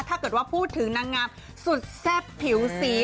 ถ้าเกิดว่าพูดถึงนางงามสุดแซ่บผิวสี